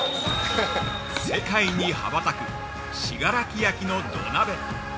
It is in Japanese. ◆世界に羽ばたく信楽焼の土鍋。